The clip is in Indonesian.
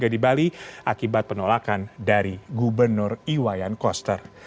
di bali akibat penolakan dari gubernur iwayan koster